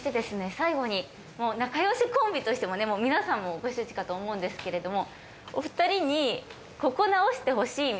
最後に仲良しコンビとしてもね皆さんもご周知かと思うんですけれどもお二人に。